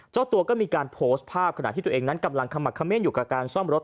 เจ้าตัวก็มีการโพสต์ภาพขณะที่ตัวเองนั้นกำลังขมักเม่นอยู่กับการซ่อมรถ